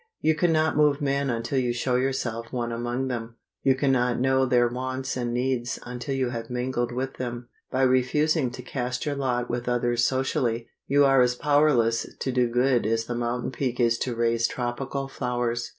You can not move men until you show yourself one among them. You can not know their wants and needs until you have mingled with them. By refusing to cast your lot with others socially, you are as powerless to do good as the mountain peak is to raise tropical flowers.